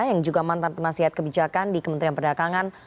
yang juga mantan penasihat kebijakan di kementerian perdagangan